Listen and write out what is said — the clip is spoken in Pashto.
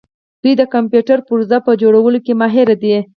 دوی د کمپیوټر پرزو په جوړولو کې ماهر دي.